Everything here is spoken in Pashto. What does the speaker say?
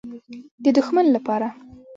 _د دښمن له پاره.